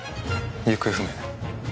行方不明。